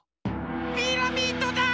ピラミッドだ！